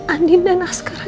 andi dan askar